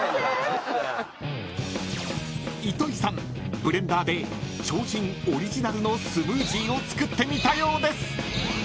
ブレンダーで超人オリジナルのスムージーを作ってみたようです］